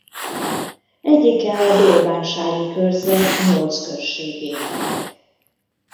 Egyike a Dél-bánsági körzet nyolc községének.